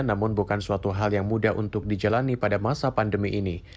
namun bukan suatu hal yang mudah untuk dijalani pada masa pandemi ini